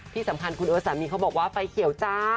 ที่สำคัญคุณเอิร์ทสามีเขาบอกว่าไฟเขียวจ้า